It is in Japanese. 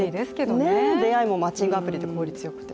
出会いもマッチングアプリで効率よくと。